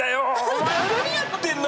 お前何やってんの？